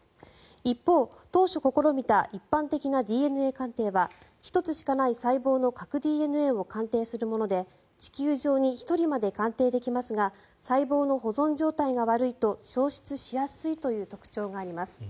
一方、当初試みた一般的なＤＮＡ鑑定は１つしかない細胞の核ＤＮＡを鑑定するもので地球上に１人まで鑑定できますが細胞の保存状態が悪いと消失しやすいという特徴があります。